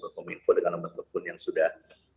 ke pom info dengan nomor telepon yang sudah